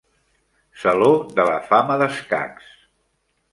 Saló de la fama d'escacs.